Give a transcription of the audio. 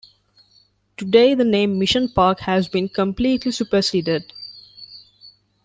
Today, the name Mission Park has been completely superseded.